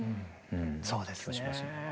そうですね。